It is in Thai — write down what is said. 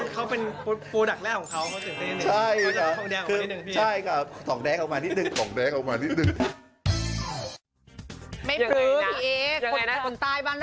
กระเดี้ยว